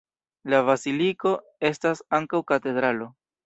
La baziliko estas ankaŭ katedralo.